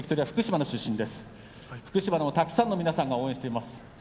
福島のたくさんの皆さんが応援しています。